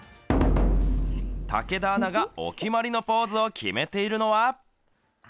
武田アナがお決まりのポーズを決めているのは。